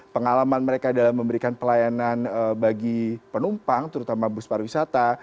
pengalaman mereka dalam memberikan pelayanan bagi penumpang terutama bus pariwisata